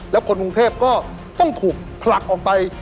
แล้วคนกรุงเทพก็ต้องถูกผลักออกไป